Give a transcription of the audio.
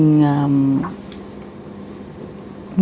nhìn lại mình